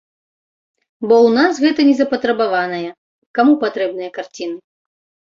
Бо ў нас гэта не запатрабаванае, каму патрэбныя карціны?